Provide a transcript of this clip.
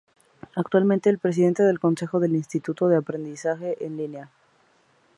Actualmente es Presidente del Consejo del Instituto de Aprendizaje en Línea.